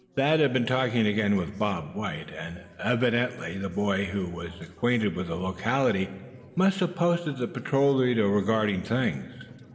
Thad had been talking again with Bob White; and evidently the boy who was acquainted with the locality must have posted the patrol leader regarding things.